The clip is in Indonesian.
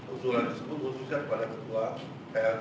usulan tersebut khususnya kepada ketua plt